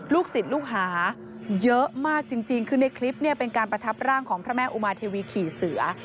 ศิษย์ลูกหาเยอะมากจริงคือในคลิปเนี่ยเป็นการประทับร่างของพระแม่อุมาเทวีขี่เสือ